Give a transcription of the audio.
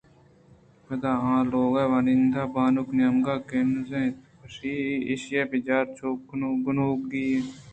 پدا آ لوگ واہُند ءِ بانک ءِ نیمگ ءَ کنز اِت ءُگوٛشئے ایشی ءَبچار چوں گنوک اِنت